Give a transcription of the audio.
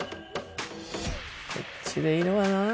こっちでいいのかな。